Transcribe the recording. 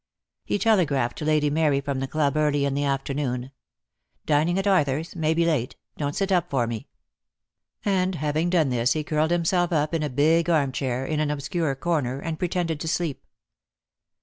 He telegraphed to Lady Mary from the club early in the afternoon ... "Dining at Arthur's — may be late. Don't sit up for me." 282 DEAD LOVE HAS CHAINS. And having done this he curled himself up in a big armchair, in an obscure corner, and pretended to sleep.